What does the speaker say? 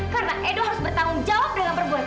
karena edo harus bertanggung jawab dengan perbuatannya